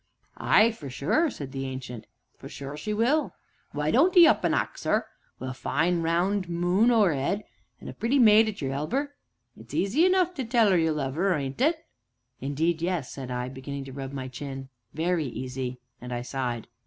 "Ay, for sure," said the Ancient, "for sure she will; why don't 'ee up an ax 'er? Wi' a fine round moon over 'ead, an' a pretty maid at your elber, it's easy enough to tell 'er you love 'er, aren't it?" "Indeed, yes," said I, beginning to rub my chin, "very easy!" and I sighed.